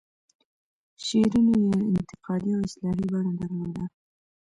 شعرونو یې انتقادي او اصلاحي بڼه درلوده.